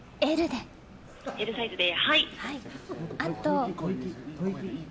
Ｌサイズで。